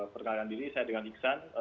perkenalkan diri saya dengan ihsan